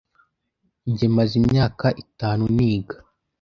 Njye maze imyaka itanu niga.